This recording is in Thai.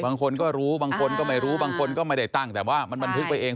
บางคนก็รู้บางคนก็ไม่รู้บางคนก็ไม่ได้ตั้งแต่ว่ามันบันทึกไปเอง